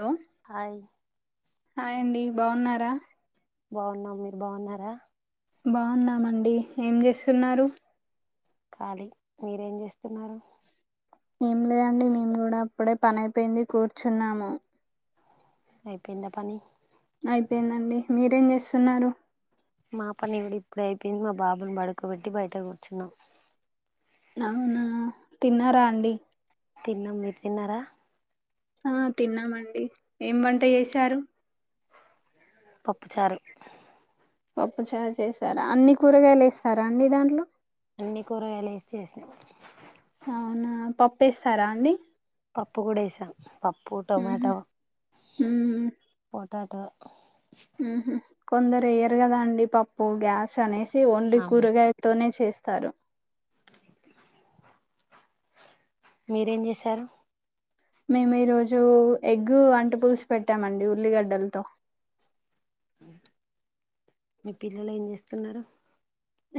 లో hi hi అండి బాగున్నారా బాగున్నాం మీరు బాగున్నారా బాగున్నామండి ఏం చేస్తున్నారు ఖాళీ మీరేం చేస్తున్నారు ఏం లేదండి మేము కూడా అప్పుడే పనయిపోయింది కూర్చున్నాము అయిపోయిందా పని అయిపోయిందండి మీరేం చేస్తున్నారు మాపనండీ ఇప్పుడే అయిపోయింది మా బాబుని పడుకోబెట్టి బయటకు వచ్చినాం అవునా తిన్నారా అండి తిన్నాము మీరు తిన్నారా ఆ తిన్నామండి ఏం వంట చేశారు పప్పుచారు పప్పుచారు చేసారా అన్ని కూరగాయలు వేశారా అండి దాంట్లో అన్ని కూరగాయలు వేసి చేసా అవునా పప్పేస్తారా అండి పప్పు కూడా వేసాం పప్పు ఉహు టొమాటో ఉమ్, తతో కొందరేయరు కదా అండి పప్పు గ్యాస్ అనేసి ఓన్లీ అవును కూరగాయతోనే చేస్తారు మీరేం చేశారు మేము ఈరోజు ఎగ్గు అంటు పులుసు పెట్టామండి ఉల్లిగడ్డలతో మీ పిల్లలు ఏం చేస్తున్నారు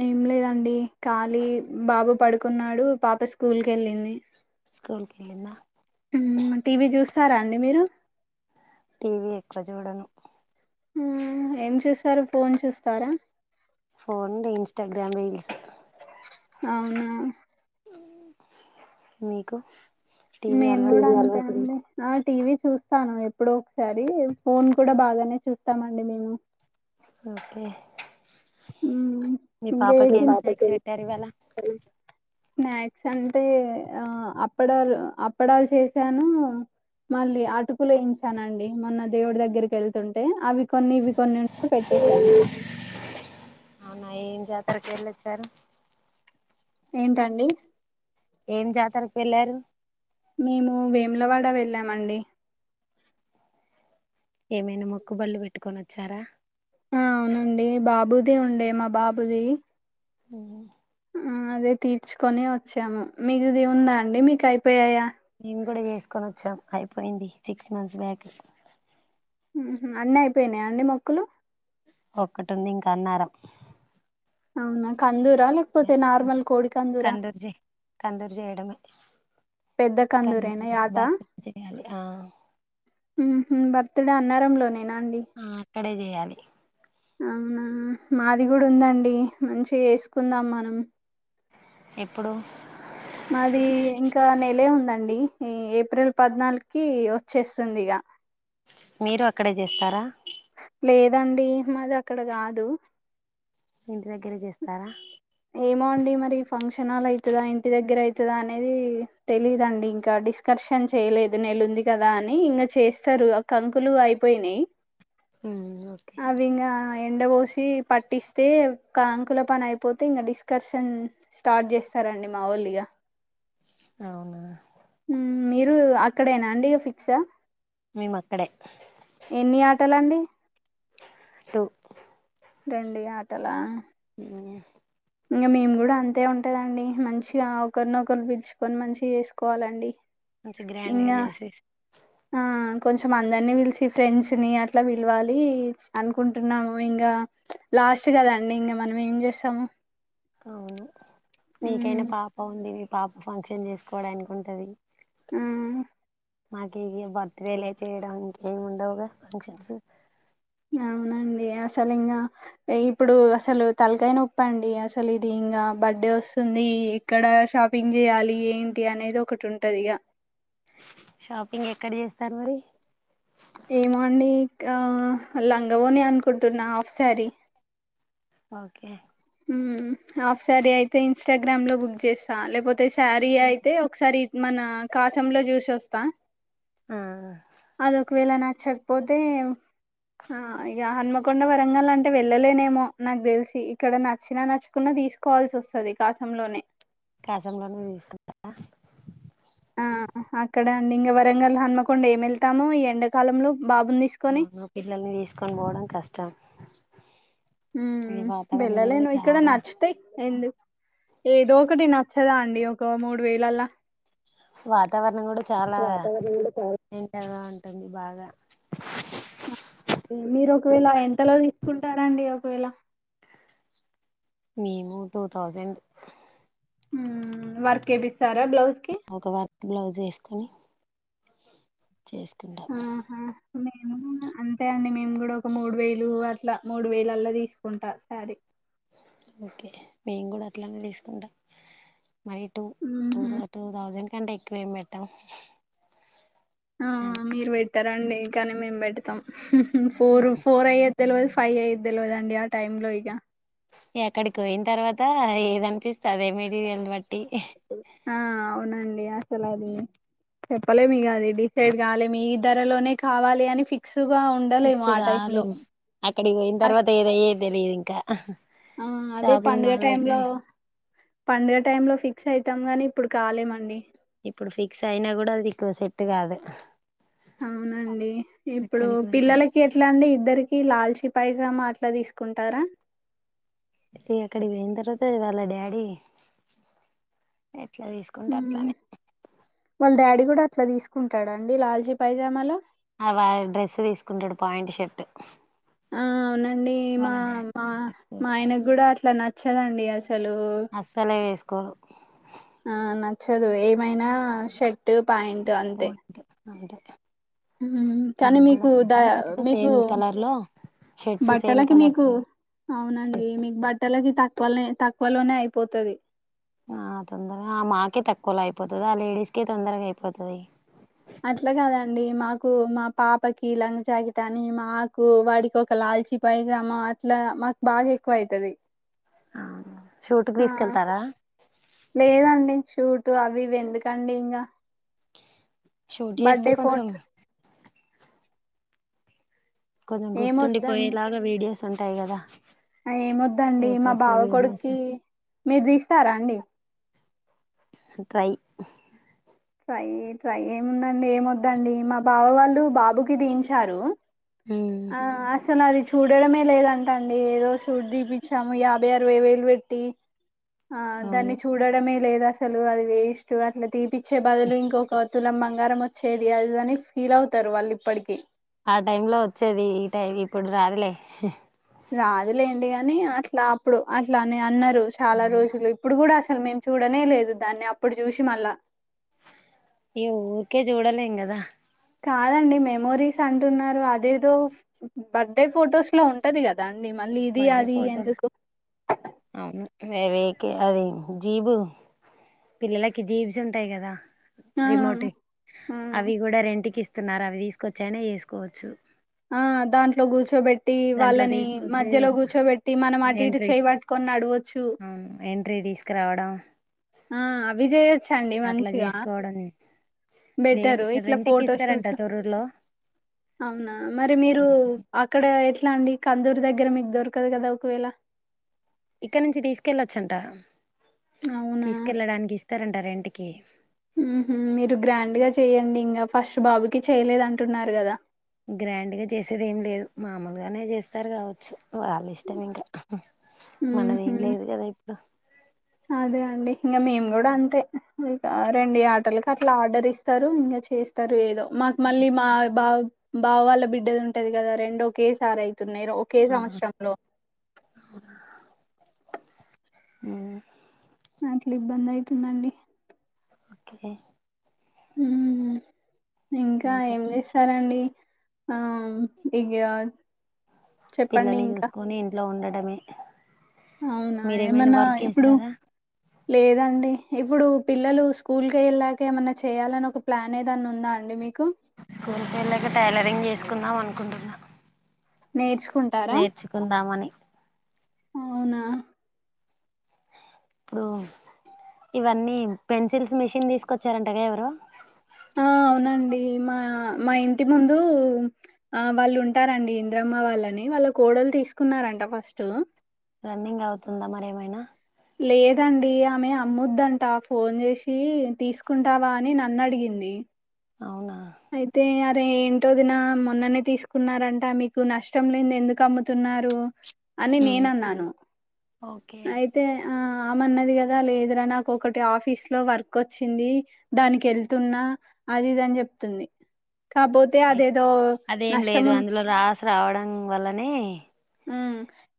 ఏం లేదండి ఖాళీ బాబు పడుకున్నాడు పాప స్కూల్ క వెళ్ళింది స్కూల్కి వెళ్ళింద సారా అండి మీరు టీవీ ఎక్కువ చూడను హ్మ్ ఏం చేస్తారు ఫోన్ చేస్తారా ధ్య మిల్స్ అవునా మీకు టీవీ మేము అలవాటు కూడా ఉంది గంతే అండి ఆ టీవీ చూస్తాను ఎప్పుడో ఒకసారి ఫోన్ కూడా బాగానే చూస్తామండి మేము ఓకే ఉ మీ ఇంకా పాపకి ఏంటి ఏం స్నాక్స్ పెట్టారు ఇవాళ స్నాక్స్ అంటే ఆ అప్పడాలు అప్పడాలు చేసాను మళ్ళీ అటుకులు వేయించానండి మొన్న దేవుడి దగ్గరికి వెళ్తుంటే అవి కొన్ని ఇవి కొన్ని పె ఎయిస్ అవునా ఏం జాతరకి వెళొచ్చారు ఏంటండి ఏం జాతర కేళ్ళారు మేము వేములవాడ వెళ్ళామండి ఏమైనా మొక్కుబళ్ళు పెట్టుకొని వచ్చారా ఆ అవునండి బాబుది ఉండే మా బాబుది ఉ ఆ అదే తీర్చుకొని వచ్చాము మీకు ఇది ఉందా అండి మీకు అయిపోయయా మేము కూడా చేసుకొని వచ్చాం అయిపోయింది సిక్స్ మంత్స్ బ్యాక్ అన్నీ అయిపోయినాయా అండి మొక్కులు ఒక్కటి ఉంది ఇంకా అన్నారం అవునా కందుర్ కందూర్ జే కందూరు చేయడమే పెద్ద కందూరు కందూరేనా ఇసు యాట బకు చేయాలి ఆ ఉహు బర్త్ డే అన్నారం లోనే ఆ అక్కడే చేయాలి అవునా మాది కూడా ఉందండి మంచి చేసుకుందాం మనం ఎప్పుడు మాది ఇంకా నెలే ఉందండి ఈ ఏప్రిల్ పద్నాలుగుకి వచ్చేస్తుంది ఇగ మీరు అక్కడే జేస్తారా లేదండి మాది అక్కడ కాదు ఇంటి దగ్గరే చేస్తారా ఏమో అండి మరి ఫంక్షన్ హాల్ అయితదా ఇంటి దగ్గర అయితదా అనేది తెలీదండి ఇంకా డిస్క ర్షన్ చేయలేదు నెలుంది కదా అని ఇంగా చేస్తారు ఆ కంకులు అయిపోయినై ఉమ్ ఓకే అవి ఇంకా ఎండ పోసి పట్టిస్తే కాంకుల పని అయి పోతే ఇంగ డిస్కషన్ స్టార్ట్ చేస్తారండి మావోళ్ళు ఇగ అవునా మీరు అక్కడేనా అండి ఇగ ఫిక్సా మేము అక్కడే ఎన్ని ఆటలండి టు రండి ఆటోలా అ ఇంగ మేము కూడా అంతే ఉంటదండి మంచిగా ఒకరినొకరు పిలుచుకొని మంచిగా చేసుకోవాలండి మంచి గ్రాండ్గా ఇంగా చేసేసి ఆ కొంచెం అందరినీ పిలిసి ఫ్రెండ్స్ ని అట్లా విలవాలి అనుకుంటున్నాం ఇంగా లాస్ట్ కదండి ఇంకా మనం ఏం చేస్తాము అవును మీకైనా పాప ఉంది మీ పాప ఫంక్షన్ చేసుకోవడానికి ఉంటది ఆ మాకిగే బర్త్ డేలె చేయడం ఇంకేమి ఉండవుగా ఫంక్షన్స్ ఆ అవునండి అసలు ఇంగా ఇప్పుడు అసలు తలకాయ నొప్పి అండి అసలు ఇది ఇంగా బర్డే వస్తుంది ది ఏక్కడ షాపింగ్ చేయాలి ఏంటి అనేది ఒకటి ఉంటది ఇగ షాపింగ్ ఎక్కడ చేస్తారు మరి ఏమో అండి లంగవోని అనుకుంటున్నా half sari okay half sari అయితే ఇన్స్టాగ్రామ్ లో బుక్ చేస్తా లేకపోతే తే శారీ అయితే ఒకసారి మన కాశంలో చూసోస్తా ఆ అదొక వేళ నచ్చకపోతే ఆ ఇగ హన్మ కొండా వరంగల్ అంటే వెళ్ళలేనేమో నాకు తెలిసి ఇక్కడ నచ్చినా నచ్చుకున్నా తీసుకోవాల్సి వస్తది కాస లోనే కాశంలోనే తీసుకుంటార ఆ అక్కడండి ఇంగా వరంగల్ హన్మకొండ ఏమి వెళ్తాము ఈ ఎండాకాలంలో బాబుని తీసుకొని అవునా పిల్లల్ని తీసుకొని పోవడం కష్టం ఉ ఈ వాతావరణం కూడా వెళ్ళలేను ఇక్కడ చాలా నచ్చితే ఎందు ఏదో ఒకటి నచ్చదా అండి ఒక మూడు వేలలా వాతావరణం కూడా చాలా వాతావరణం కూడా చాలా ఎండగా ఉంటుంది బాగా ఆ మీరు ఒకవేళ ఎంతలో తీసుకుంటారండి ఒకవేళ మేము టూ థౌజండ్ ఊ వర్క్ ఏపిస్తారా బ్లౌజ్ కి ఒక వర్క్ బ్లౌజ్ వేసుకొని చేసుకుంటాం ఆహా మేము అంతే అండి మేము కూడా ఒక మూడు వేలు అట్లా మూడు వేలుల్లా తీసుకుంటా సారీ ఓకే మేము కూడా అట్లానే తీసుకుంటాం మరి టూ టూ మ్మ్. టూ థౌజండ్ కంటే ఎక్కువేమి పెట్టాం ఆ అంతే మీరు పెట్టారండి కానీ మేం పెడతాం ఫోర్ ఫోర్ అయ్యే తెలియదు ఫైవ్ అయిదు తెలియధండి ఆ టైమ్ లో ఇగా ఆక్కడికి పోయిన తర్వాత ఏది అనిపిస్తే అదే మెటీరియల్ బట్టి ఆ అవునండి అసలు అది చెప్పలేము ఇగ అది డిసైడ్ కాలేము ఈ ధరలోనే కావాలి అని ఫిక్స్ గా ఉండలేము ఫిక్స్ ఆ టైం లో కాలేము అక్కడికి పోయిన తర్వాత ఏదయ్యే తెలిదు ఇంకా అదే షాపింగ్ పండుగ మాల్ కి టైమ్ పోయి లో పండుగ టైం లో ఫిక్స్ అయతాం కానీ ఇప్పుడు కాలేమండి సేట్టు కాదు అవునండి ఇప్పుడు అక్కడికి పోయి పిల్లలకి ఎట్లా అండి ఇద్దరికి లాల్చి పైజామా అట్లా తీసుకుంటారా అక్కడికి పోయిన తర్వాత వాళ్ళ డాడీ ఏట్లా తీసుకుంటే అట్లనే ఇట్లా తీసుకుంటాడండి లాల్చీ పైజామాల ఆ వా డ్రెస్ తీసుకుంటాడు పాయింట్ షర్ట్ ఆ అవునండి మా వాళ్ళ డాడీ మా మా తీసుకోరు ఆయనకు కూడా అట్లా నచ్చదండి అసలు హలో అస్సలే వేసుకోరు ఆ నాక్ నచ్చదు ఏమైనా షర్ట్ ప్యాంట్ అంతే అంటే ఊ కానీ మీకు ద కాకపోతే మీకు సేమ్ కలర్ లో షర్ట్స్ సేమ్ బట్టలకి కలర్స్ మీకు లో అవునండి చేస్తాం మీకు బట్టలకి తక్ త్వలనే తక్కువలోనే అయిపోతది ఆ తొందరగా ఆ మాకే తక్కువలో అయిపోతది ఆ లేడీస్కే తొందరగా అయిపోతది అట్లా కాదండి మాకు మా పాపకి లంగ జాకిట్ అని మాకు వాడికి ఒక లా కాల్చి పైజామా అట్లా మాకు బాగా ఎక్కువ ఐతది అవును షూట్కి దీస్కెళ్తారా లేదండి షూటు అవి ఇవి ఎందుకండి ఇంగ షూట్ చేస్తే కొంచెం కొంచెం గుర్తుండిపోయేలాగా వీడియోస్ ఉంటాయి గదా ఏమోద్దండి మా బావ వీడియోస్ కొడుకి మీరు తీస్తారా అండి [inaudible] ట్రై ట్రై ఏముందండి ఏమోద్దండి మా బావ వాళ్ళు బాబుకి తియించారు ఆ అసలది చూడడమే లేదంటా అండి ఏదో షూట్ దిపించాము యాభై అరవై వేలు వెట్టి ఆ అవును దాన్ని చూడడమే లేదు అసలు అది వేస్ట్ అట్లా తీపి చ్చే బదులు ఇంకొక తులం బంగారం వచ్చేది అది అని ఫీల్ అవుతారు వాళ్ళు ఇప్పడికి ఆ టైమ్ లో వచ్చేది ఈ టైమ్ ఇప్పుడు రాదులే రాదులేండి గాని అట్లా అప్పుడు అట్లా అని అన్నరు చాలా అవును రోజులు ఇప్పుడు కూడా సలు మేము చూడనే లేదు దాన్ని అప్పుడు చూసి మళ్ళా ఇగ ఊకే చూడలేం గదా కాదండి మెమోరీస్ అంటున్నారు అదేదో బర్త్డే ఫొటోస్ లో ఉంటది గదా బర్డే ఫోటో అవును ఏవే కె అది జీబు పిల్లలకి జీబ్స్ ఉంటాయి గదా ఆ రిమోటియ్ ఆ అవి గూడా రెంటికి ఇస్తున్నారు అవి తీసుకొచ్చాయినా చేసుకోవచ్చు ఆ దాంట్లో కూర్చోపెట్టి ట్టి దాంట్లో వాళ్ళని తీసుకొచ్చి మధ్యలో కూర్చోబెట్టి మనం అటు ఇటు ఎంట్రీ చేబట్టుకొని నడవొచ్చు తీస్కరావడం ఆ అవి చేయచండి మంచిగా చేసుకోవడం వే బెటరు ఇక్కడ ఇట్లా రెంటికి ఇస్తారంట ఫోటోషూటు తొర్రూరులో అవునా మరి మీరు అక్కడ ఎట్ల్ ట్లా అండి కందూరు దగ్గర మీకు దొరకదు గదా ఒకవేళ ఇక్కడ నుంచి తీసుకెళ్ళొచ్చంట అవునా తీసుకెళ్ళడానికి ఇస్తారంట రెంటికి ఊహ్మ్ మీరు గ్రాండ్ గా చెయ్యండి ఇంగ ఫస్ట్ బాబుకి చేయలేదంటున్నారు గదా గ్రాండ్గా చేసేది ఏం లేదు మామూలుగానే జేస్తారు కావచ్చు వాళ్ళ ఇష్టం ఇంకా ఊహు మనదేం లేదు గదా ఇప్పుడు అదే అండి ఇంగ మేం కూడా అంతే ఆర్డర్లు అట్లా ఆర్డర్ ఇస్తారు ఇంగ చేస్తారు ఏదో మాకు మళ్ళీ మా బా బావ వాళ్ళ బిడ్డది ఉంటది కదా రెండోకేసారే అయి తున్నాయ్ ఒకే సంవత్సరంలో ఊమ్ అట్లా ఇబ్బంది ఐతుందండి ఓకే ఊమ్ ఇంకా ఏం చేస్తారండి ఆ ఇగ చెప్పండి పిల్లల్ని ఇంకా చూసుకొని ఇంట్లో ఉండటమే అవునా ఏమన్నా ఇప్పుడు చేస్తారా లేదండి ఇప్పుడు పిల్లలు స్కూల్ కెళ్ళాక ఏమన్నా చేయాలని ఒక ప్లాన్ ఏదన్నా ఉందా అండి మీకు స్కూల్ కెళ్ళాక టైలరింగ్ చేసుకుందాం అనుకుంటున్న నేర్చు నేర్చుకుందామని అవునా ఇప్పుడు ఇవన్నీ పెన్సిల్స్ మిషన్ తీసుకొచ్చారంటగా ఎవరో ఆ అవునండి మా మా ఇంటి ముందు ఆ వాళ్ళు ఉంటారండి ఇంద్ర మ్మ వాళ్ళని వాళ్ళ కోడలు తీసుకున్నారంట ఫస్ట్ రన్నింగ్ అవుతుందా మరి ఏమైనా లేదండి ఆమె అమ్మొద్దంట ఫోన్ జేసి తీసుకుంటావా అని నన్ను అడిగి గింది అవునా అయితే తే ఏంటోదిన మొన్ననే తీసుకున్నారంట మీకు నష్టం లేంది ఎందుకు అమ్ముతున్నారు అని నేనన్నాను ఓకే అయితే ఆ ఆమన్నది గదా లేదురా నాకు ఒకటి ఆఫీస్ లో వర్కొచ్చింది దానికి ఎళ్తున్నా అది ఇది అని జొప్తుంది అయ్ అదేం లేదు ఉన్ అందులో రాసి రావడం వల్లనే ఉ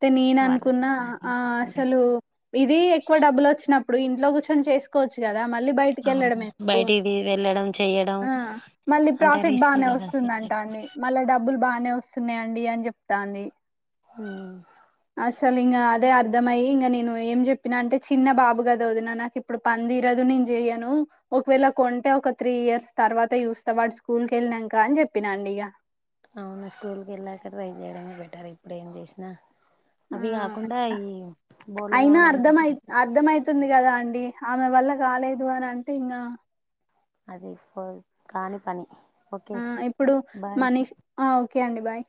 తే నేను వాళ్ళని అనుకున్నా ఆ ప్లానింగ్ చేస్తున్నారు అసలు ఇది ఎక్కువ డబ్బులు వచ్చిన ఇప్పుడు ఇంట్లో కూచ్చొని చేసుకోవచ్చు గదా మళ్ళీ బయటికి అవును ఎళ్ళడం ఎందుకు బయటికి వెళ్ళడం చేయడం ఆ మళ్ళీ అంతా ప్రాఫిట్ రిస్క్ బానే కదా వస్తుందంటా సొసైటీ అంది మళ్ళీ డబ్బులు బాగానే వస్ వస్తున్నాయ్ అండి అన్ జొప్తాంది ఆ అసలు ఇంగ అదే అర్దమయ్యి ఇంగ నేను ఏం జొప్పిన అంటే చిన్న బాబు గదా వదిన నాకు ఇప్పుడు పని దీరదు నేన్ జెయ్యను ఒకవేళ కొంటే ఒక త్రీ ఇయర్స్ తర్వాత చూస్ త్తా వాడు స్కూల్ కి ఎళ్ళినాంకా అని చెప్పినాండి ఇక అవును స్కూల్ కి ఎళ్ళాక ట్రై చేయడమే బెటర్ ఇప్పుడేం జేసినా ఆ అవి గాకుండా ఈ బోర్లు అయినా దోమడానికి అర్థమయి అర్థమయితుంది గదా అండి ఆమె వల్ల కాలేదు అని అంటే ఇంగ అది ఇప్పు కాణి పని ఓకే ఆ ఇప్పుడు బాయ్ మనీష్ ఆ ఓకే అండి బాయ్